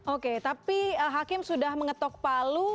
oke tapi hakim sudah mengetok palu